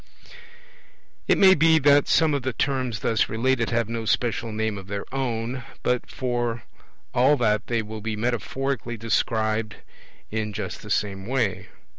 It may be that some of the terms thus related have no special name of their own, but for all that they will be metaphorically described in just the same way.